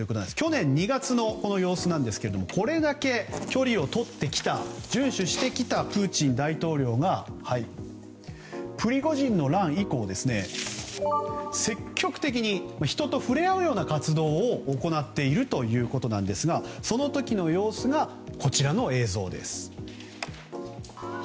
去年２月の様子なんですがこれだけ距離をとってきた順守してきたプーチン大統領がプリゴジンの乱以降積極的に人と触れ合うような活動を行っているということですがその時の様子がこちらの映像です。